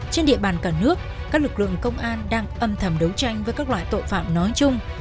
trên địa bàn cả nước các lực lượng công an đang âm thầm đấu tranh với các loại tội phạm nói chung